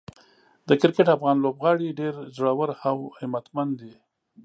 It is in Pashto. د کرکټ افغان لوبغاړي ډېر زړور او همتمن دي.